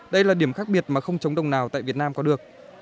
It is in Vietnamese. đây là điểm khác biệt mà không trống đồng nào tại việt nam có được